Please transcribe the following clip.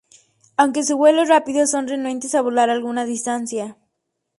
Aunque su vuelo es rápido, son renuentes a volar alguna distancia.